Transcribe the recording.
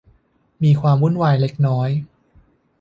มีความวุ่นวายเล็กน้อย